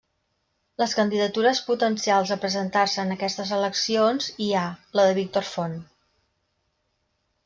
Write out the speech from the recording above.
Les candidatures potencials a presentar-se en aquestes eleccions hi ha: la de Víctor Font.